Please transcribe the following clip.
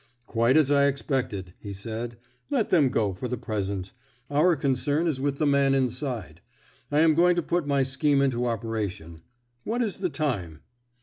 "Quite as I expected," he said. "Let them go for the present. Our concern is with the man inside. I am going to put my scheme into operation. What is the time?"